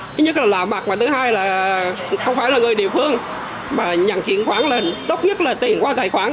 thứ nhất là lạ mặt mà thứ hai là không phải là người địa phương mà nhận chuyển khoản là tốt nhất là tiền qua tài khoản